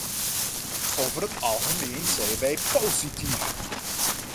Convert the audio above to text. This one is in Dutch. Over het algemeen zijn wij positief.